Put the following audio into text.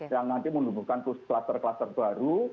yang nanti menumbuhkan kluster kluster baru